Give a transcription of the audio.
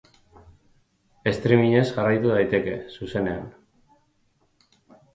Streamingez ere jarraitu daiteke, zuzenean.